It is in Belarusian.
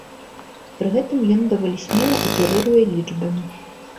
Пры гэтым ён даволі смела аперыруе лічбамі.